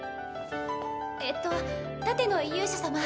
えっと盾の勇者様。